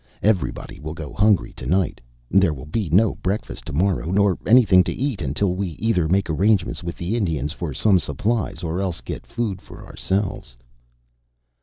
Everybody will go hungry to night. There will be no breakfast to morrow, nor anything to eat until we either make arrangements with the Indians for some supplies or else get food for ourselves."